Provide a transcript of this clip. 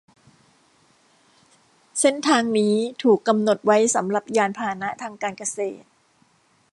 เส้นทางนี้ถูกกำหนดไว้สำหรับยานพาหนะทางการเกษตร